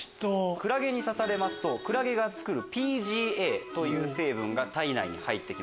クラゲに刺されますとＰＧＡという成分が体内に入って来ます。